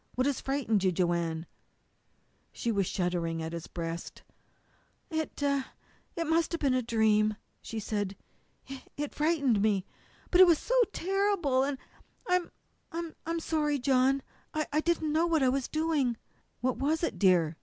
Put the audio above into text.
"What has frightened you, Joanne?" She was shuddering against his breast. "It it must have been a dream," she said. "It it frightened me. But it was so terrible, and I'm I'm sorry, John. I didn't know what I was doing." "What was it, dear?"